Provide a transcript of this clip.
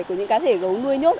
của những cá thể gấu nuôi nhốt